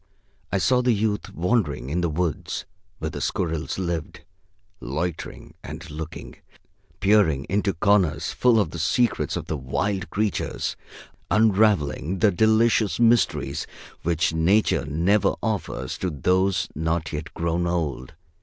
I saw the youth wandering in the woods where the squirrels lived, loitering and looking, peering into corners full of the secrets of the wild creatures, unraveling the delicious mysteries which Nature ever offers to those not yet grown old.